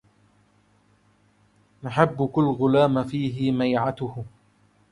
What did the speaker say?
نحب كل غلام فيه ميعته